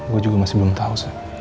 gue juga masih belum tau